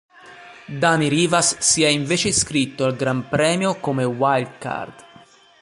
Dani Rivas si è invece iscritto al Gran Premio come wildcard.